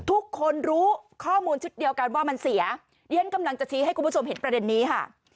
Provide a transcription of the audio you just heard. ทุกคนรู้ข้อมูลชุดเดียวกันว่ามันเสียเรียนกำลังจะชี้ให้คุณผู้ชมเห็นประเด็นนี้ค่ะ